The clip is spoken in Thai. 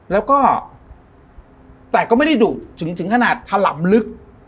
แล้วก็แต่ก็ไม่ได้ดุถึงขนาดถล่ำลึก